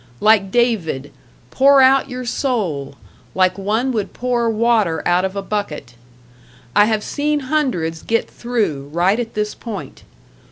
Like David, "pour out your soul" like one would pour water out of a bucket. I have seen hundreds get through right at this point.